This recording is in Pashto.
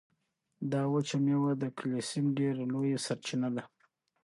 دا وچه مېوه د کلسیم ډېره لویه سرچینه ده.